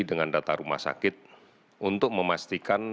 dengan data rumah sakit untuk memastikan